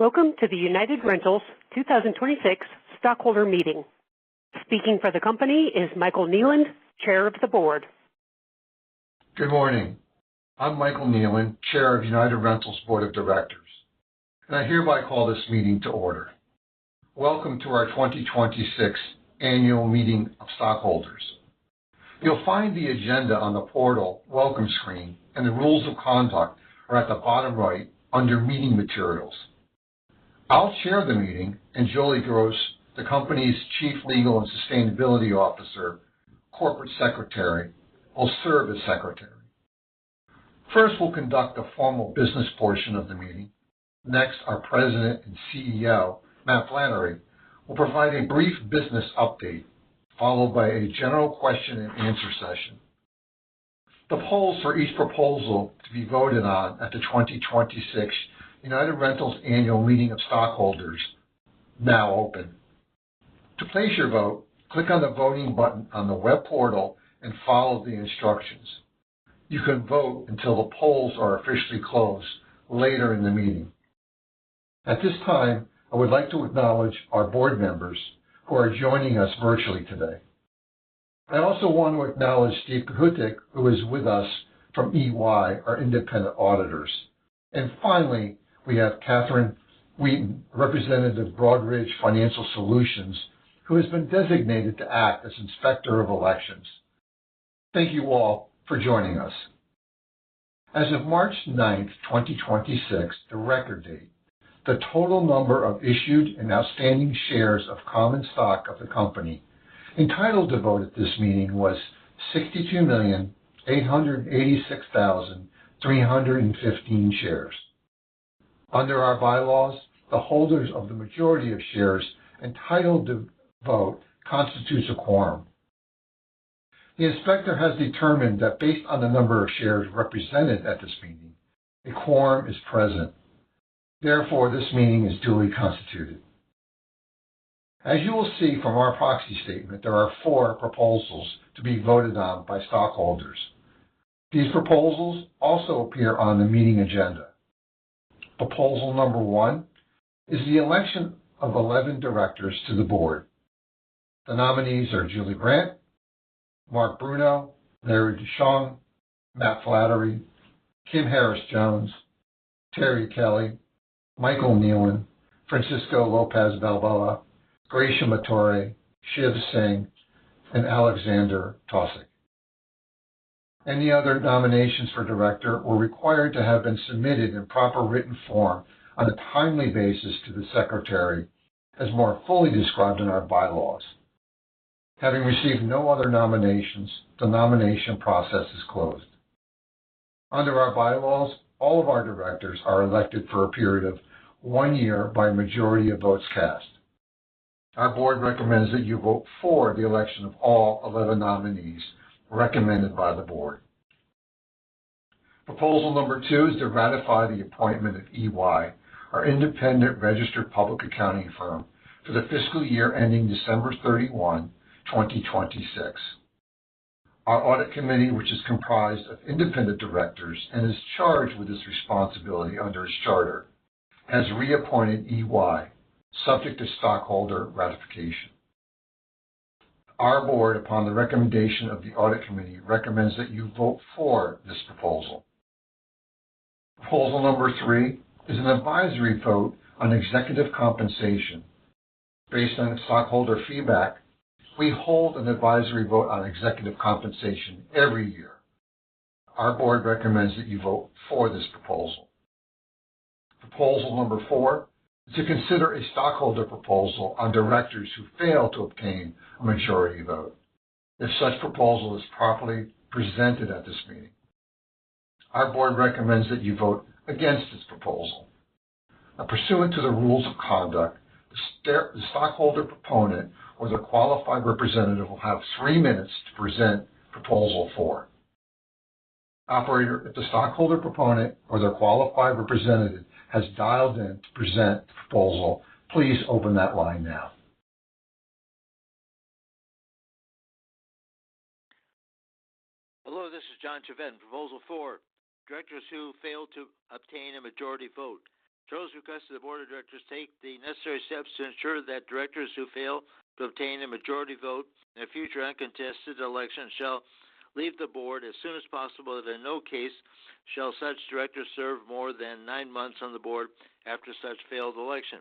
Welcome to the United Rentals 2026 Stockholder Meeting. Speaking for the company is Michael J. Kneeland, Chair of the Board. Good morning. I'm Michael Kneeland, Chairman of United Rentals' Board of Directors, and I hereby call this meeting to order. Welcome to our 2026 annual meeting of stockholders. You'll find the agenda on the portal welcome screen, and the rules of conduct are at the bottom right under meeting materials. I'll chair the meeting, and Joli Gross, the company's Chief Legal & Sustainability Officer, Corporate Secretary, will serve as secretary. First, we'll conduct a formal business portion of the meeting. Next, our President and Chief Executive Officer, Matthew Flannery, will provide a brief business update, followed by a general question and answer session. The polls for each proposal to be voted on at the 2026 United Rentals Annual Meeting of Stockholders now open. To place your vote, click on the voting button on the web portal and follow the instructions. You can vote until the polls are officially closed later in the meeting. At this time, I would like to acknowledge our board members who are joining us virtually today. I also want to acknowledge Steve Kohutic, who is with us from EY, our independent auditors. Finally, we have Katherine Wheaton, representative of Broadridge Financial Solutions, who has been designated to act as Inspector of Elections. Thank you all for joining us. As of March 9, 2026, the record date, the total number of issued and outstanding shares of common stock of the company entitled to vote at this meeting was 62,886,315 shares. Under our bylaws, the holders of the majority of shares entitled to vote constitutes a quorum. The inspector has determined that based on the number of shares represented at this meeting, a quorum is present. Therefore, this meeting is duly constituted. As you will see from our proxy statement, there are four proposals to be voted on by stockholders. These proposals also appear on the meeting agenda. Proposal number one is the election of 11 directors to the board. The nominees are Julie Brandt, Marc Bruno, Larry De Shon, Matthew Flannery, Kim Harris-Jones, Terri Kelly, Michael Kneeland, Francisco Lopez-Balboa, Gracia Martore, Shiv Singh, and Alexander Taussig. Any other nominations for director were required to have been submitted in proper written form on a timely basis to the secretary, as more fully described in our bylaws. Having received no other nominations, the nomination process is closed. Under our bylaws, all of our directors are elected for a period of one year by a majority of votes cast. Our board recommends that you vote for the election of all 11 nominees recommended by the board. Proposal number two is to ratify the appointment of EY, our independent registered public accounting firm, for the fiscal year ending December 31, 2026. Our audit committee, which is comprised of independent directors and is charged with this responsibility under its charter, has reappointed EY, subject to stockholder ratification. Our board, upon the recommendation of the audit committee, recommends that you vote for this proposal. Proposal number three is an advisory vote on executive compensation. Based on stockholder feedback, we hold an advisory vote on executive compensation every year. Our board recommends that you vote for this proposal. Proposal number four is to consider a stockholder proposal on directors who fail to obtain a majority vote if such proposal is properly presented at this meeting. Our board recommends that you vote against this proposal. Pursuant to the rules of conduct, the stockholder proponent or the qualified representative will have three minutes to present proposal four. Operator, if the stockholder proponent or the qualified representative has dialed in to present the proposal, please open that line now. Hello, this is John Chevedden. Proposal four, directors who fail to obtain a majority vote. Shares requested the board of directors take the necessary steps to ensure that directors who fail to obtain a majority vote in a future uncontested election shall leave the board as soon as possible. In no case shall such directors serve more than nine months on the board after such failed election.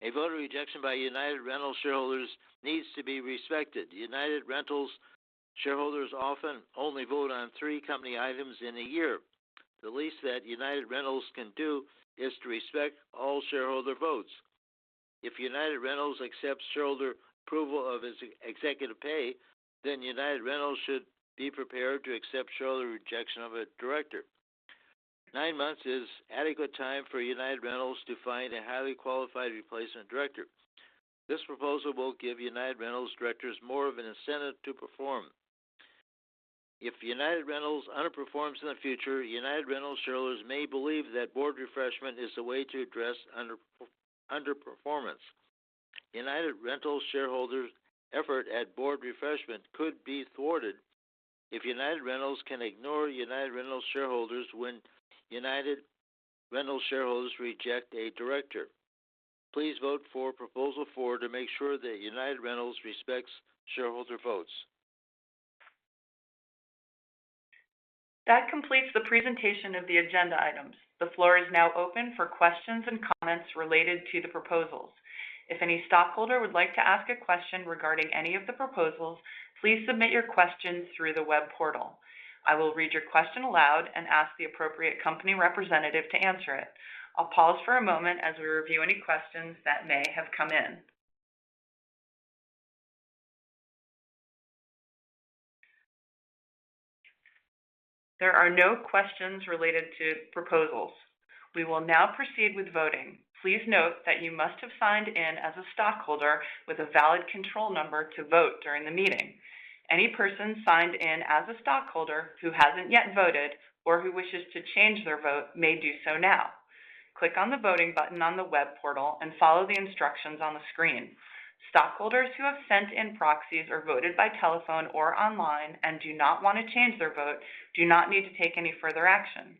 A vote of rejection by United Rentals shareholders needs to be respected. United Rentals shareholders often only vote on three company items in a year. The least that United Rentals can do is to respect all shareholder votes. If United Rentals accepts shareholder approval of its executive pay, United Rentals should be prepared to accept shareholder rejection of a director. Nine months is adequate time for United Rentals to find a highly qualified replacement director. This proposal will give United Rentals directors more of an incentive to perform. If United Rentals underperforms in the future, United Rentals shareholders may believe that board refreshment is the way to address underperformance. United Rentals shareholders' effort at board refreshment could be thwarted if United Rentals can ignore United Rentals shareholders when United Rentals shareholders reject a director. Please vote for proposal four to make sure that United Rentals respects shareholder votes. That completes the presentation of the agenda items. The floor is now open for questions and comments related to the proposals. If any stockholder would like to ask a question regarding any of the proposals, please submit your questions through the web portal. I will read your question aloud and ask the appropriate company representative to answer it. I'll pause for a moment as we review any questions that may have come in. There are no questions related to proposals. We will now proceed with voting. Please note that you must have signed in as a stockholder with a valid control number to vote during the meeting. Any person signed in as a stockholder who hasn't yet voted or who wishes to change their vote may do so now. Click on the voting button on the web portal and follow the instructions on the screen. Stockholders who have sent in proxies or voted by telephone or online and do not wanna change their vote do not need to take any further action.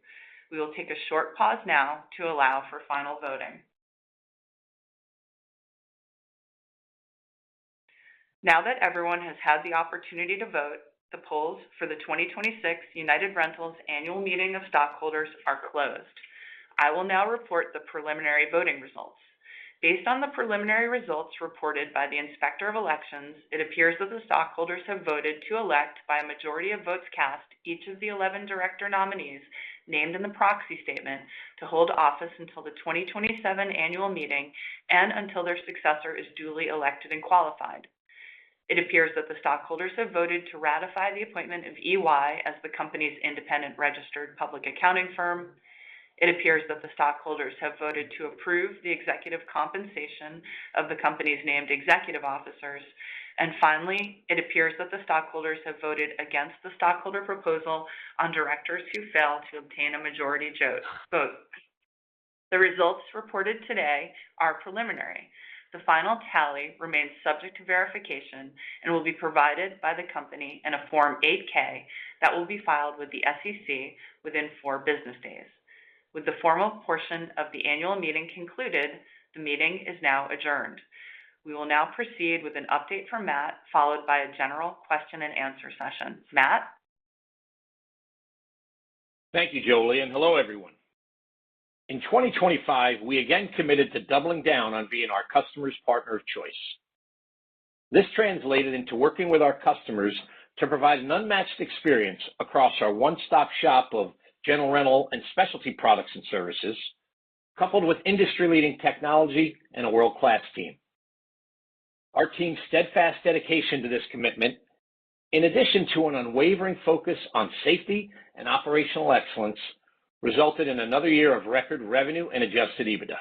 We will take a short pause now to allow for final voting. Now that everyone has had the opportunity to vote, the polls for the 2026 United Rentals Annual Meeting of Stockholders are closed. I will now report the preliminary voting results. Based on the preliminary results reported by the Inspector of Elections, it appears that the stockholders have voted to elect by a majority of votes cast each of the 11 director nominees named in the proxy statement to hold office until the 2027 annual meeting and until their successor is duly elected and qualified. It appears that the stockholders have voted to ratify the appointment of EY as the company's independent registered public accounting firm. It appears that the stockholders have voted to approve the executive compensation of the company's named executive officers. Finally, it appears that the stockholders have voted against the stockholder proposal on directors who fail to obtain a majority vote. The results reported today are preliminary. The final tally remains subject to verification and will be provided by the company in a Form 8-K that will be filed with the SEC within four business days. With the formal portion of the annual meeting concluded, the meeting is now adjourned. We will now proceed with an update from Matt, followed by a general question and answer session. Matt? Thank you, Joli. Hello, everyone. In 2025, we again committed to doubling down on being our customers' partner of choice. This translated into working with our customers to provide an unmatched experience across our one-stop shop of general rental and specialty products and services, coupled with industry-leading technology and a world-class team. Our team's steadfast dedication to this commitment, in addition to an unwavering focus on safety and operational excellence, resulted in another year of record revenue and Adjusted EBITDA.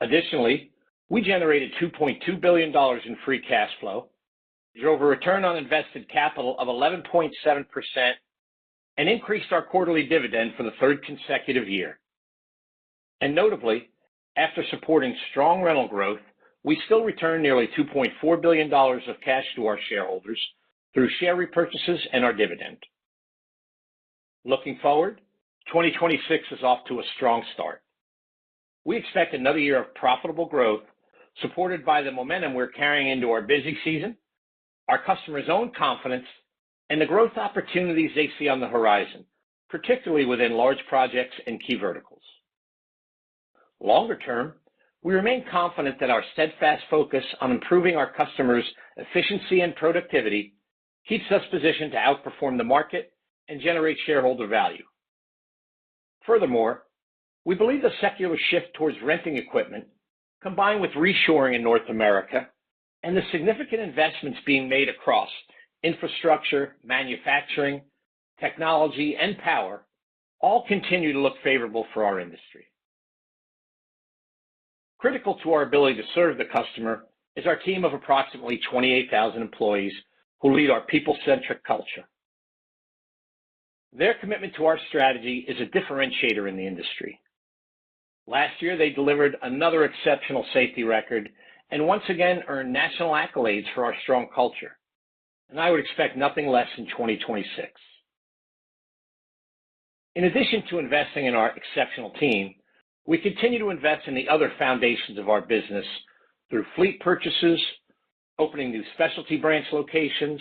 Additionally, we generated $2.2 billion in Free Cash Flow, drove a return on invested capital of 11.7%, and increased our quarterly dividend for the third consecutive year. Notably, after supporting strong rental growth, we still return nearly $2.4 billion of cash to our shareholders through share repurchases and our dividend. Looking forward, 2026 is off to a strong start. We expect another year of profitable growth supported by the momentum we're carrying into our busy season, our customers' own confidence, and the growth opportunities they see on the horizon, particularly within large projects and key verticals. Longer-term, we remain confident that our steadfast focus on improving our customers' efficiency and productivity keeps us positioned to outperform the market and generate shareholder value. Furthermore, we believe the secular shift towards renting equipment, combined with reshoring in North America and the significant investments being made across infrastructure, manufacturing, technology, and power all continue to look favorable for our industry. Critical to our ability to serve the customer is our team of approximately 28,000 employees who lead our people-centric culture. Their commitment to our strategy is a differentiator in the industry. Last year, they delivered another exceptional safety record and once again earned national accolades for our strong culture, and I would expect nothing less in 2026. In addition to investing in our exceptional team, we continue to invest in the other foundations of our business through fleet purchases, opening new specialty branch locations,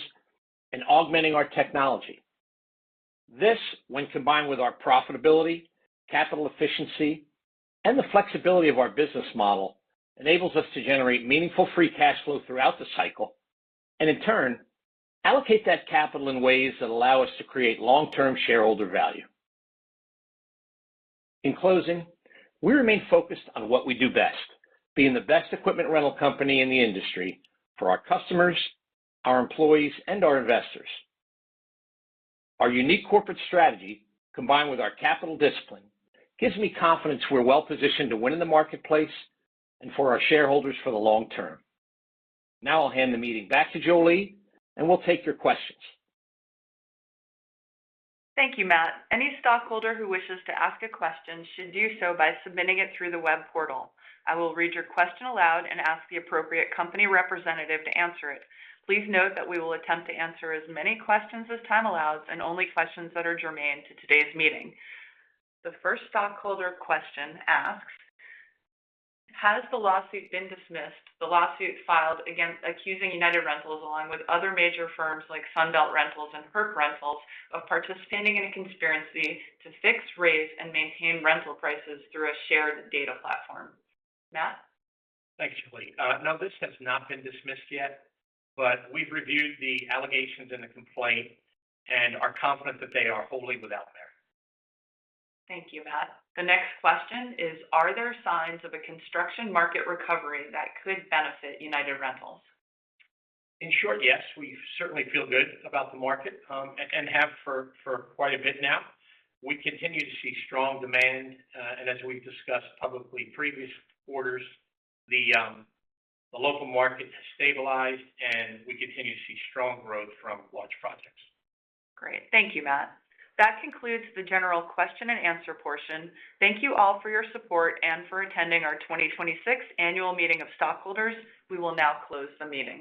and augmenting our technology. This, when combined with our profitability, capital efficiency, and the flexibility of our business model, enables us to generate meaningful Free Cash Flow throughout the cycle and, in turn, allocate that capital in ways that allow us to create long-term shareholder value. In closing, we remain focused on what we do best, being the best equipment rental company in the industry for our customers, our employees, and our investors. Our unique corporate strategy, combined with our capital discipline, gives me confidence we're well-positioned to win in the marketplace and for our shareholders for the long-term. Now I'll hand the meeting back to Joli, and we'll take your questions. Thank you, Matt. Any stockholder who wishes to ask a question should do so by submitting it through the web portal. I will read your question aloud and ask the appropriate company representative to answer it. Please note that we will attempt to answer as many questions as time allows and only questions that are germane to today's meeting. The first stockholder question asks: Has the lawsuit been dismissed? The lawsuit filed accusing United Rentals, along with other major firms like Sunbelt Rentals and Herc Rentals of participating in a conspiracy to fix, raise, and maintain rental prices through a shared data platform. Matt? Thanks, Joli. No, this has not been dismissed yet. We've reviewed the allegations and the complaint and are confident that they are wholly without merit. Thank you, Matt. The next question is: Are there signs of a construction market recovery that could benefit United Rentals? In short, yes. We certainly feel good about the market, and have for quite a bit now. We continue to see strong demand. As we've discussed publicly in previous quarters, the local market has stabilized, and we continue to see strong growth from large projects. Great. Thank you, Matt. That concludes the general question and answer portion. Thank you all for your support and for attending our 2026 Annual Meeting of Stockholders. We will now close the meeting.